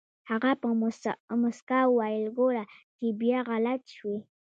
هغه په موسکا وويل ګوره چې بيا غلط شوې.